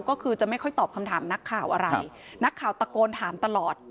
ก็คือจะไม่ค่อยตอบคำถามนักข่าวอะไรนักข่าวตะโกนถามตลอด